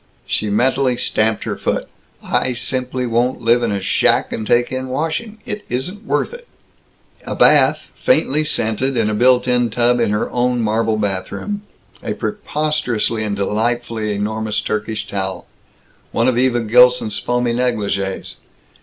She mentally stamped her foot. "I simply won't live in a shack and take in washing. It isn't worth it." A bath, faintly scented, in a built in tub in her own marble bathroom. A preposterously and delightfully enormous Turkish towel. One of Eva Gilson's foamy negligées.